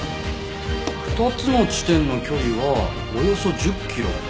２つの地点の距離はおよそ１０キロ。